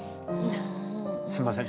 すいません。